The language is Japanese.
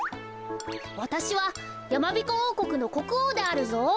わたしはやまびこおうこくのこくおうであるぞ。